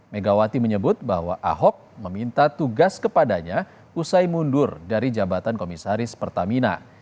megawati menyebut bahwa ahok meminta tugas kepadanya usai mundur dari jabatan komisaris pertamina